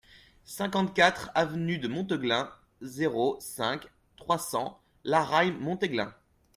cinquante-quatre avenue de Monteglin, zéro cinq, trois cents, Laragne-Montéglin